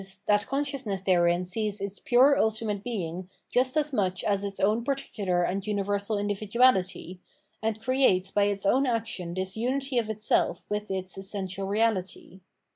tbat consciousness tberein sees its pure ultimate Being just as muck as its own particular and universal individuality, and creates by its own action tbis unity of itself with its essential reality.